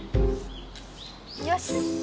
よし！